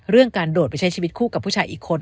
เรื่องการโดดไปใช้ชีวิตคู่กับผู้ชายอีกคน